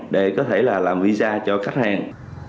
để có thể là làm visa cho khách hàng